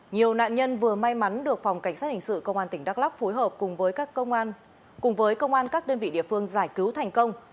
nhiều nạn nhân vừa may mắn được phòng cảnh sát hình sự công an tỉnh đắk lắk phối hợp cùng với công an các đơn vị địa phương giải cứu thành công